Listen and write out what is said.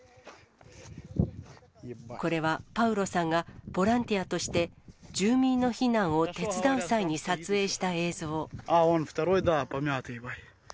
これはパウロさんが、ボランティアとして、住民の避難を手伝う際に撮影した映像。